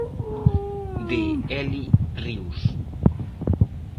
De Eli Ríos.